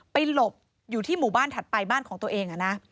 หลบอยู่ที่หมู่บ้านถัดไปบ้านของตัวเอง